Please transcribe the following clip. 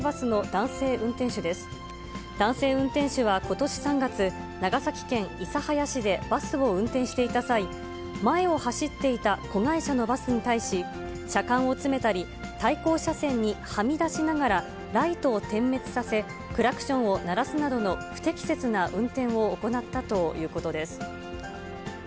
男性運転手はことし３月、長崎県諫早市でバスを運転していた際、前を走っていた子会社のバスに対し、車間を詰めたり、対向車線にはみ出しながらライトを点滅させ、クラクションを鳴らすなどの不適切な運転を行ったということです。